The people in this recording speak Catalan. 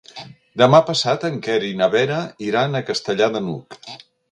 Demà passat en Quer i na Vera iran a Castellar de n'Hug.